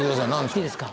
いいですか。